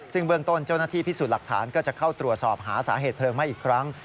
ซึ่งเบื้องต้นเจ้าหน้าที่พิสูจน์หลักฐานก็จะเข้าตรวจสอบหาสาเหตุเพลิงไหม้อีกครั้ง